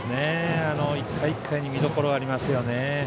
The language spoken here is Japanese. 一回一回に見どころがありますね。